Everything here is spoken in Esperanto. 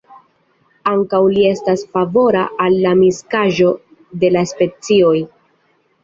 Ankaŭ li estas favora al la miksaĵo de la specioj.